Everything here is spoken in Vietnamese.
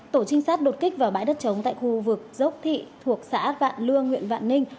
tổ trinh sát đột kích vào bãi đất trống tại khu vực dốc thị thuộc xã vạn lương huyện vạn ninh